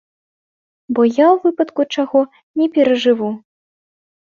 Бо я, у выпадку чаго, не перажыву.